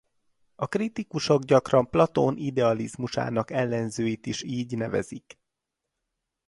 A kritikusok gyakran Platón idealizmusának ellenzőit is így nevezik.